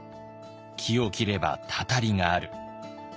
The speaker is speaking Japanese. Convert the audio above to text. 「木を切ればたたりがある」。